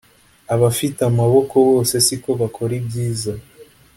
abafite amaboko bose siko bakora ibyiza